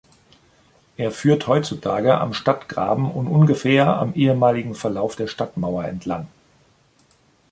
Er führt heutzutage am Stadtgraben und ungefähr am ehemaligen Verlauf der Stadtmauer entlang.